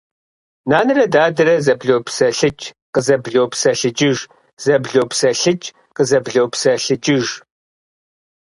Нанэрэ дадэрэ зэблопсэлъыкӏ – къызэблопсэлъыкӏыж, зэблопсэлъыкӏ – къызэблопсэлъыкӏыж.